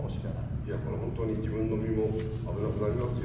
いや、これ本当に自分の身も危なくなりますよ。